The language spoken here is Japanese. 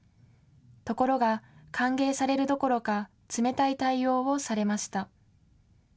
ところが歓迎されるどころか、冷たい対応をされました。